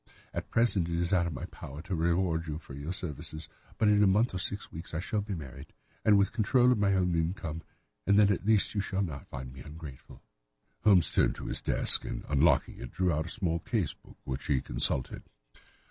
At present it is out of my power to reward you for your services, but in a month or six weeks I shall be married, with the control of my own income, and then at least you shall not find me ungrateful." Holmes turned to his desk and, unlocking it, drew out a small case book, which he consulted.